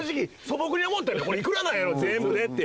これ幾らなんやろ全部でって。